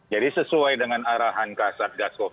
jadi sesuai dengan arahan kasar gas covid sembilan belas